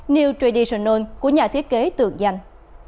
new traditional của nhà thiết kế tượng danh